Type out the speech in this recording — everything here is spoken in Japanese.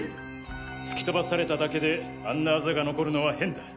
突き飛ばされただけであんなアザが残るのは変だ。